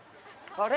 あれ？